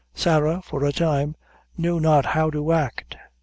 Sarah, for a time, knew not how to act.